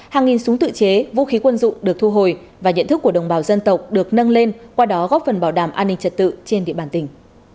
hàng nghìn súng tự chế vũ khí quân dụng được thu hồi và nhận thức của đồng bào dân tộc được nâng lên qua đó góp phần bảo đảm an ninh trật tự trên địa bàn tỉnh